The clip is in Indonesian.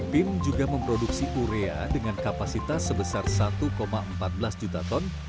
pin juga memproduksi urea dengan kapasitas sebesar satu empat belas juta ton